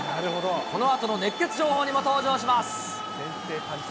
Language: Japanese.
このあとの熱ケツ情報にも登場します。